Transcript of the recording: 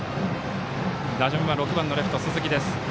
打順は６番のレフト、鈴木。